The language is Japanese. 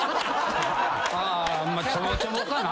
あちょぼちょぼかな。